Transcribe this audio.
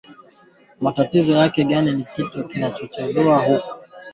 kiwango gani kinadaiwa na mchakato huo unaweza kuchukua zaidi ya mwezi mmoja